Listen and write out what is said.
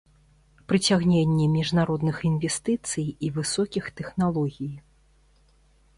Прыцягненне міжнародных інвестыцый і высокіх тэхналогій.